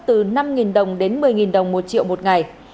từ năm đồng đến một mươi đồng một triệu một ngày